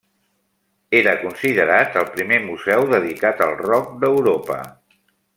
Era considerat el primer museu dedicat al rock d'Europa.